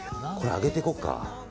これ、揚げていこうか。